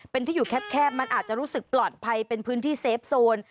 เป็นที่อยู่แคบมันอาจจะรู้สึกปลอดภัยเป็นพื้นที่เซฟโซน